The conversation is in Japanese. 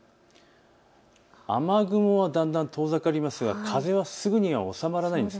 雨雲はだんだん遠ざかりますが、風はすぐには収まらないんです。